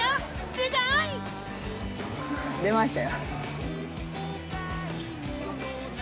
すごい！出ました。